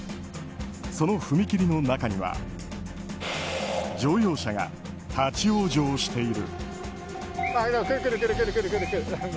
その踏切の中には乗用車が立ち往生している。